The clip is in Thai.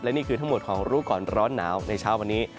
นี่คือทั้งหมดของรู้ก่อนร้อนหนาวในเช้าวันนี้